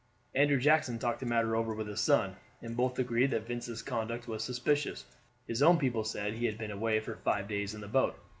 Andrew Jackson talked the matter over with his son, and both agreed that Vincent's conduct was suspicious. His own people said he had been away for five days in the boat.